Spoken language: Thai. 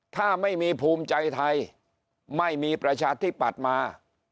ถ้าไม่มีภูมิใจไทยไม่มีประชาธิปัตย์มา